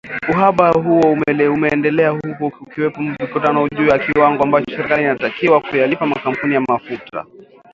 Uhaba huo umeendelea huku kukiwepo mivutano juu ya kiwango ambacho serikali inatakiwa kuyalipa makampuni ya mafuta